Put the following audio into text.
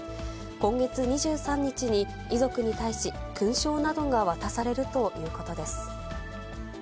今月２３日に遺族に対し、勲章などが渡されるということです。